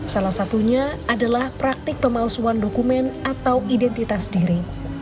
salah satunya adalah praktik pemalsuan dokumen atau identitas diri